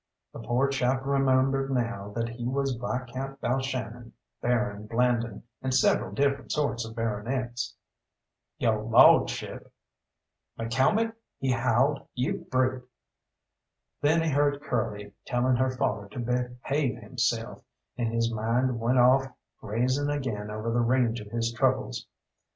The poor chap remembered now that he was Viscount Balshannon, Baron Blandon, and several different sorts of baronets. "Yo' lawdship!" "McCalmont," he howled, "you brute!" Then he heard Curly telling her father to behave himself, and his mind went off grazing again over the range of his troubles.